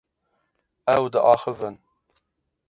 Ew diaxivin.